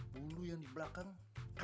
bulu yang di belakang